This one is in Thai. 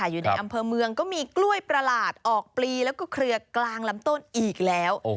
อยู่ในอำเภอเมืองก็มีกล้วยประหลาดออกปลีแล้วก็เครือกลางลำต้นอีกแล้ว